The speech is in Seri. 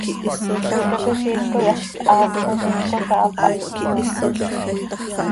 Xicaquiziil coi hax thaasx oo, ziix cola hapáh quih iyoonec.